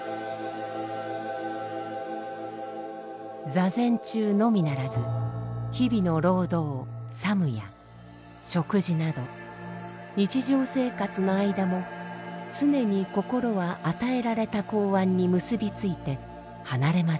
坐禅中のみならず日々の労働「作務」や食事など日常生活の間も常に心は与えられた公案に結びついて離れません。